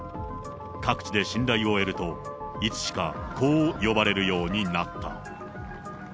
各地で信頼を得ると、いつしかこう呼ばれるようになった。